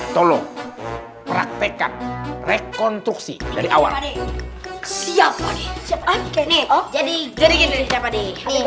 tolong praktekkan rekonstruksi dari awal siapa di sini oh jadi jadi